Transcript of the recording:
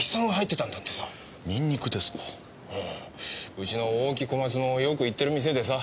うちの大木小松もよく行ってる店でさ。